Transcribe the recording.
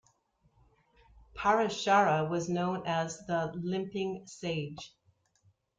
Parashara was known as the "limping sage".